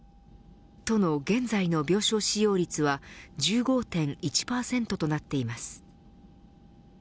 都の現在の病床使用率は１５．１％となっています。